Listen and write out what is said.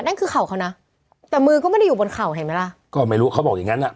นั่นคือเข่าเขานะแต่มือก็ไม่ได้อยู่บนเข่าเห็นไหมล่ะก็ไม่รู้เขาบอกอย่างงั้นอ่ะ